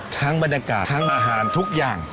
บรรยากาศทั้งอาหารทุกอย่าง